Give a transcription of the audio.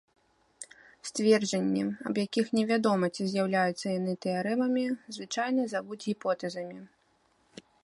Сцвярджэнні, аб якіх невядома, ці з'яўляюцца яны тэарэмамі, звычайна завуць гіпотэзамі.